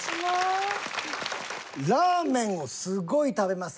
ラーメンをすごい食べます